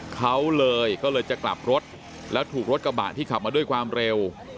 เขาเลยก็เลยจะกลับรถแล้วถูกรถกระบะที่ขับมาด้วยความเร็ว